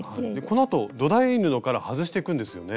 このあと土台布から外していくんですよね。